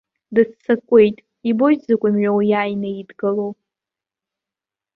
Дыццакуеит, ибоит изакә мҩоу иааины идгылоу.